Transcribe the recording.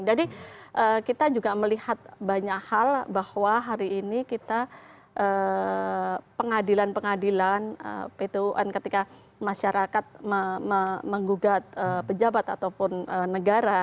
jadi kita juga melihat banyak hal bahwa hari ini kita pengadilan pengadilan pt un ketika masyarakat menggugat pejabat ataupun negara